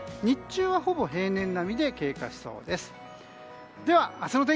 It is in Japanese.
日中はほぼ平年並みで経過しそうです。